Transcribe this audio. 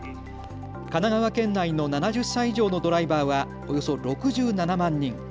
神奈川県内の７０歳以上のドライバーはおよそ６７万人。